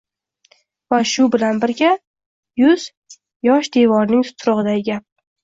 Va shu bilan birga, yuz yoshdevorning turtugʻiday gap